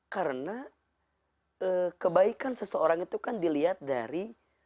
karena kebaikan seseorang itu kan dilihat dari